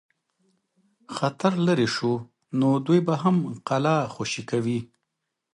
خطر لیري شو نو دوی به هم قلا خوشي کوي.